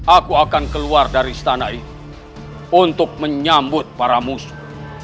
aku akan keluar dari istana ini untuk menyambut para musuh